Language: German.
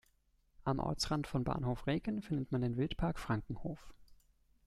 Am Ortsrand von Bahnhof Reken findet man den Wildpark Frankenhof.